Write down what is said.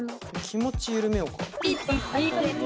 気持ち緩めようか。